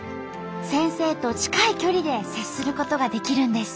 先生と近い距離で接することができるんです。